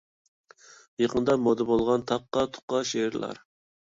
يېقىندا مودا بولغان تاققا-تۇققا شېئىرلار